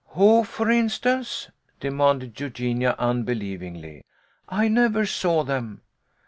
"Who, for instance?" demanded Eugenia, unbe lievingly. * I never saw them."